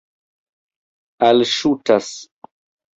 alŝutas